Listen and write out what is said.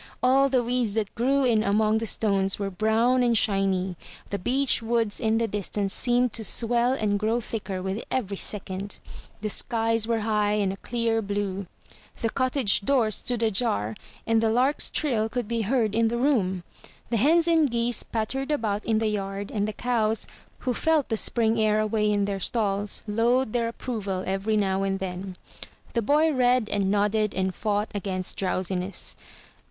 All the weeds that grew in among the stones were brown and shiny. The beech woods in the distance seemed to swell and grow thicker with every second. The skies were high, and a clear blue. The cottage door stood ajar, and the lark's trill could be heard in the room. The hens and geese pattered about in the yard; and the cows, who felt the spring air away in their stalls, lowed their approval every now and then. The boy read and nodded and fought against drowsiness.